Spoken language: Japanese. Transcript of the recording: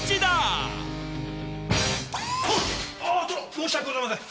申し訳ございません。